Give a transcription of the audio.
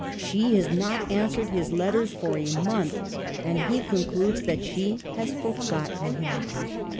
She has not answered his letters for a month, and he concludes that she has forgotten him.